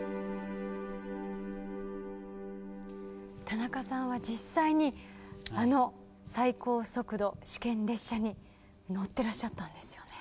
田中さんは実際にあの最高速度試験列車に乗ってらっしゃったんですよね？